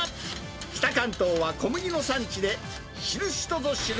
北関東は小麦の産地で、知る人ぞ知る